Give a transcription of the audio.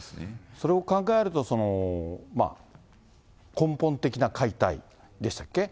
それを考えると、根本的な解体でしたっけ？